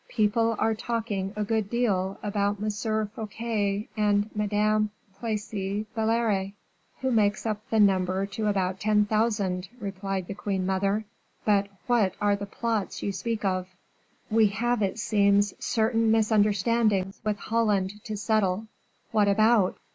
"People are talking a good deal about M. Fouquet and Madame Plessis Belliere." "Who makes up the number to about ten thousand," replied the queen mother. "But what are the plots you speak of?" "We have, it seems, certain misunderstandings with Holland to settle." "What about?"